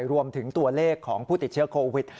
รวมถึงตัวเลขของผู้ติดเชื้อโควิด